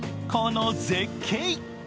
この絶景！